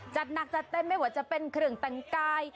จัดหนักจัดเต็มไม่ว่าจะเป็นเครื่องแต่งกาย